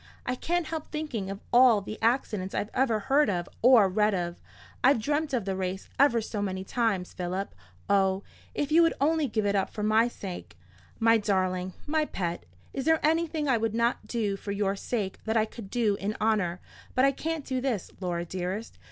I can't help thinking of all the accidents I've ever heard of, or read of. I've dreamt of the race ever so many times, Philip. Oh, if you would only give it up for my sake!" "My darling, my pet, is there anything I would not do for your sake that I could do in honour? But I can't do this, Laura dearest.